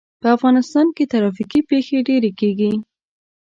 په افغانستان کې ترافیکي پېښې ډېرې کېږي.